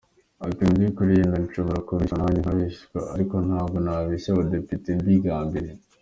Ati “Mu byukuri yenda nshobora kubeshywa nanjye nkabeshya, ariko ntabwo nabeshya abadepite mbigambiriye.